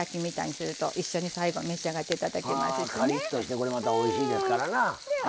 カリッとしてこれまたおいしいですからな。